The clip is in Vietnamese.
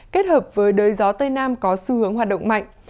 kết hợp với đới gió tây nam có xu hướng hoạt động mạnh